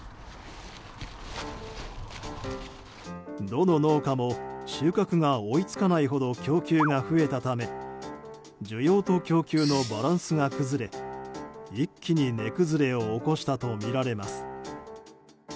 どの農家も収穫が追い付かないほど供給が増えたため需要と供給のバランスが崩れ一気に値崩れを起こしたとみられます。